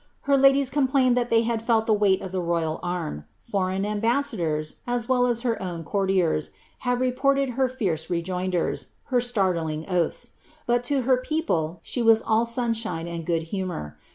Her ladies complained that they had felt the weight of the royal arm ; foreign ambassadors, as well as her own courtiers, have reported her fierce rejoinders, her startling oaths ; but to her peo ple, she was all sunshine and good humour.